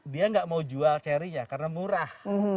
dia gak mau jual cherry nya karena murah